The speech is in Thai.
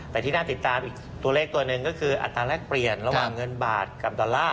แต่ที่น่าติดตามอีกตัวเลขตัวหนึ่งก็คืออัตราแรกเปลี่ยนระหว่างเงินบาทกับดอลลาร์